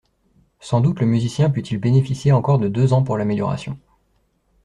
Sans doute le musicien put-il bénéficier encore de deux ans pour l'amélioration.